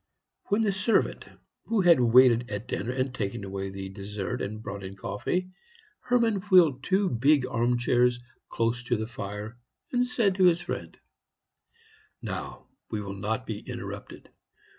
When the servant who had waited at dinner had taken away the dessert and brought in coffee, Hermann wheeled two big arm chairs close to the fire, and said to his friend: "Now, we will not be interrupted.